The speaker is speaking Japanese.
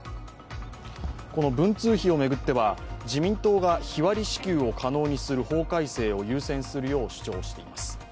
文通費を巡っては自民党が日割り支給を可能にする法改正を優先するよう主張しています。